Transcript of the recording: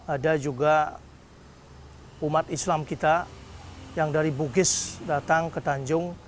ada juga umat islam kita yang dari bugis datang ke tanjung